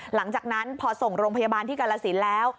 หลังจากนั้นพอส่งโรงพยาบาลที่กาลสินแล้ว